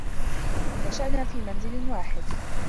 نشأنا في منزل واحد.